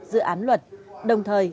dự án luật đồng thời